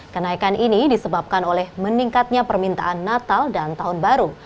kenaikan ini disebabkan oleh meningkatnya permintaan natal dan tahun baru